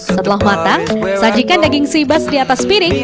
setelah matang sajikan daging sibas di atas piring